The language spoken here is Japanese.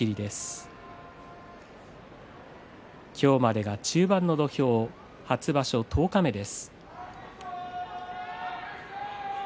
今日までが中盤の土俵初場所十日目です。